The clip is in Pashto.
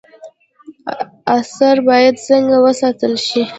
آثار باید څنګه وساتل شي؟